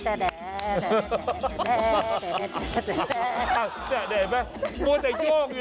ทุกข้าทุกข้าทุกข้าทุกข้า